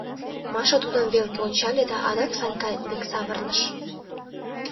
Маша тудын велке ончале да адак Санька дек савырныш: